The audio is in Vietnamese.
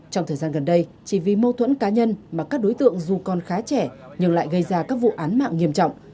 trong thời gian gần đây chỉ vì mâu thuẫn cá nhân mà các đối tượng dù còn khá trẻ nhưng lại gây ra các vụ án mạng nghiêm trọng